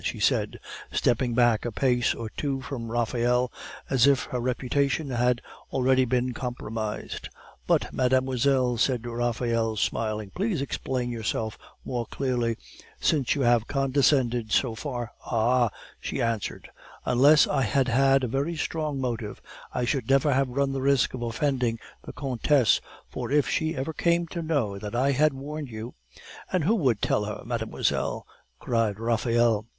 she said, stepping back a pace or two from Raphael, as if her reputation had already been compromised. "But, mademoiselle," said Raphael, smiling, "please explain yourself more clearly, since you have condescended so far " "Ah," she answered, "unless I had had a very strong motive, I should never have run the risk of offending the countess, for if she ever came to know that I had warned you " "And who would tell her, mademoiselle?" cried Raphael.